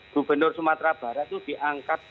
gubernur sumatera barat itu diangkat